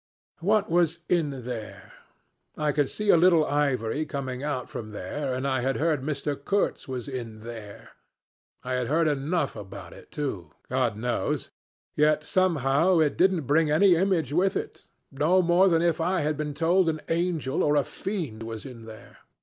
What was in there? I could see a little ivory coming out from there, and I had heard Mr. Kurtz was in there. I had heard enough about it too God knows! Yet somehow it didn't bring any image with it no more than if I had been told an angel or a fiend was in there.